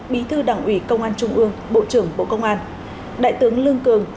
bí thư đảng ủy công an trung ương bộ trưởng bộ công an đại tướng lương cường